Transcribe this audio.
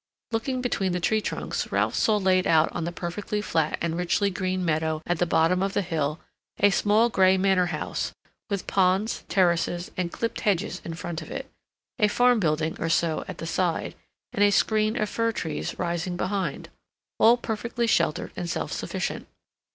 Looking between the tree trunks, Ralph saw laid out on the perfectly flat and richly green meadow at the bottom of the hill a small gray manor house, with ponds, terraces, and clipped hedges in front of it, a farm building or so at the side, and a screen of fir trees rising behind, all perfectly sheltered and self sufficient.